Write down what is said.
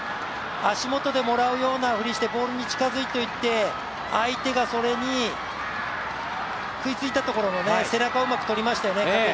足元でもらうようなふりをしてボールに近づいていって相手がそれに食いついたところの背中をうまくとりましたよね。